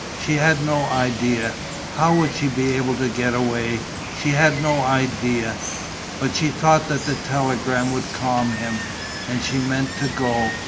She had no idea. How would she be able to get away? She had no idea. But she thought that the telegram would calm him. And she meant to go.